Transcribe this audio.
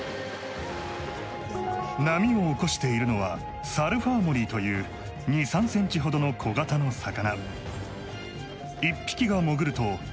波を起こしているのはサルファーモリーという２３センチほどの小型の魚。